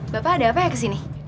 bapak ada apa ya kesini